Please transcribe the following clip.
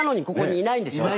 いないんですよ。